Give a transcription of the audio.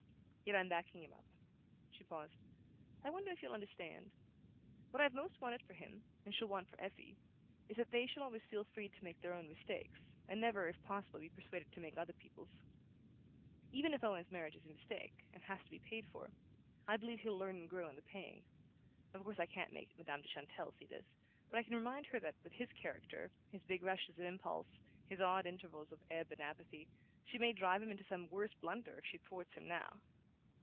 "Yet I'm backing him up." She paused. "I wonder if you'll understand? What I've most wanted for him, and shall want for Effie, is that they shall always feel free to make their own mistakes, and never, if possible, be persuaded to make other people's. Even if Owen's marriage is a mistake, and has to be paid for, I believe he'll learn and grow in the paying. Of course I can't make Madame de Chantelle see this; but I can remind her that, with his character his big rushes of impulse, his odd intervals of ebb and apathy she may drive him into some worse blunder if she thwarts him now."